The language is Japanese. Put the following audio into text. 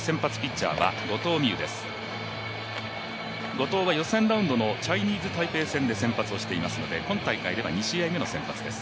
後藤は予選ラウンドのチャイニーズ・タイペイ戦で先発をしていますので今大会では２試合目の先発です